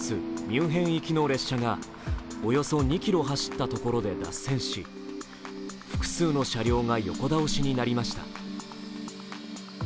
ミュンヘン行きの列車がおよそ２ｋｍ走ったところで脱線し、複数の車両が横倒しになりました。